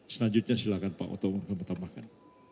selanjutnya silakan pak oto mengembatkan